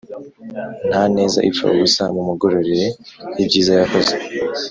Ntaneza ipfa ubusa mumugororere ibyiza yakoze